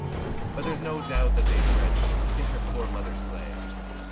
But there's no doubt the base wretch Did her poor mother slay.